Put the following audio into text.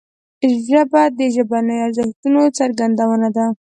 ژبه د ژبنیو ارزښتونو څرګندونه ده